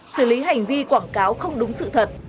xử lý hành vi quảng cáo không đúng sự thật